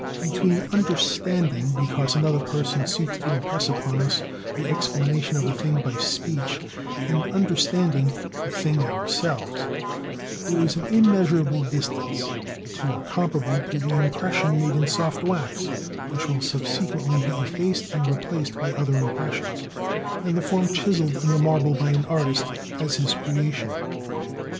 Between "understanding" because another person seeks to impress upon us the explanation of a thing by speech, and "understanding" the thing of ourselves, there is an immeasurable distance; the two are comparable to the impression made in soft wax, which will subsequently be effaced and replaced by other impressions, and the form chiselled in the marble by an artist, as his creation.